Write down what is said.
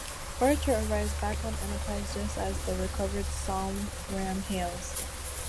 Archer arrives back on "Enterprise" just as the recovered "Somraw" hails.